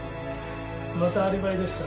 またアリバイですか。